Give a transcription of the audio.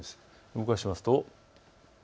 動かしますと。